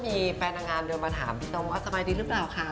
มีแฟนนางงามเดินมาถามพี่ตรงว่าสบายดีหรือเปล่าคะ